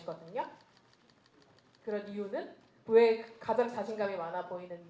ก็จะเสียด้วยชอบคุณ